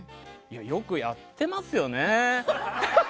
よくやってますよね。